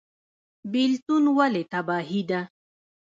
بیلتون ولې تباهي ده؟